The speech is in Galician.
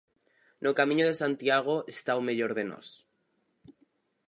No Camiño de Santiago está o mellor de nós.